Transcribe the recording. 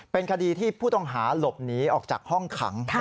เป็นคดีที่ผู้ต้องหาหลบหนีออกจากห้องขัง